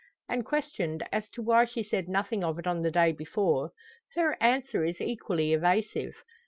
And questioned as to why she said nothing of it on the day before, her answer is equally evasive.